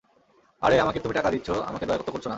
আরে, আমাকে তুমি টাকা দিচ্ছো আমাকে দয়া তো করছ না!